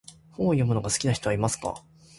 本を読むのが好きな人はいますか？